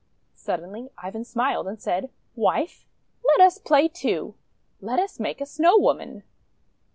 Suddenly Ivan smiled, and said: — "Wife, let us play, too. Let us make a Snow woman."